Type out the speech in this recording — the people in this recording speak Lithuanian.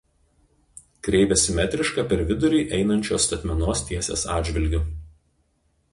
Kreivė simetriška per vidurkį einančios statmenos tiesės atžvilgiu.